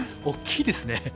大きいですね。